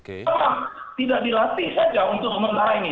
karena tidak dilatih saja untuk sementara ini